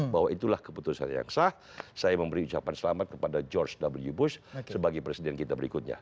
bahwa itulah keputusan yang sah saya memberi ucapan selamat kepada george w bush sebagai presiden kita berikutnya